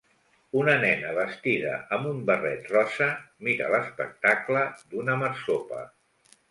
Una nena vestida amb un barret rosa mira l'espectacle d'una marsopa